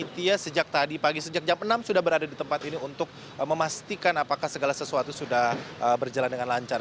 panitia sejak tadi pagi sejak jam enam sudah berada di tempat ini untuk memastikan apakah segala sesuatu sudah berjalan dengan lancar